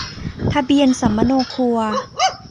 ทะเบียนสำมะโนครัว